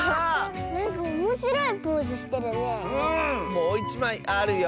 もういちまいあるよ！